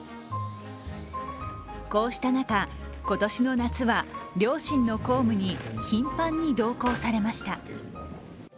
こうした中、今年の夏は両親の公務に頻繁に同行されました。